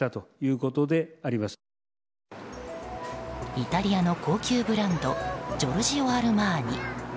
イタリアの高級ブランドジョルジオ・アルマーニ。